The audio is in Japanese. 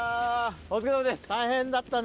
大変だったね。